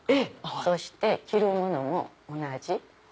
そして着る物も同じ。